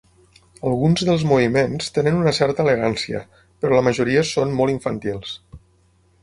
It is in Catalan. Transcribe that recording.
Alguns dels moviments tenen una certa elegància, però la majoria són molt infantils.